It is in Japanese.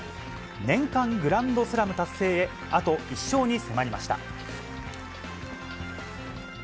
年間グランドスラム達成へ、あと１勝に迫りました。